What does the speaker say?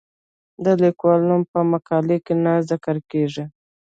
د لیکوال نوم په مقاله کې نه ذکر کیږي.